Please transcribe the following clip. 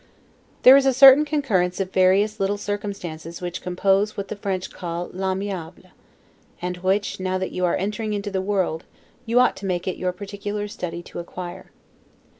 There is a certain concurrence of various little circumstances which compose what the French call 'l'aimable'; and which, now that you are entering into the world, you ought to make it your particular study to acquire.